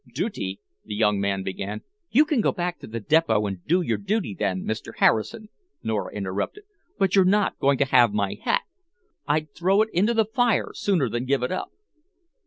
"Duty," the young man began "You can go back to the Depot and do your duty, then, Mr. Harrison," Nora interrupted, "but you're not going to have my hat. I'd throw it into the fire sooner than give it up."